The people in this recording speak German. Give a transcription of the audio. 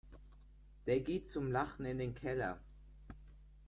Der geht zum Lachen in den Keller.